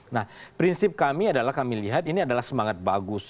nah prinsip kami adalah kami lihat ini adalah semangat bagus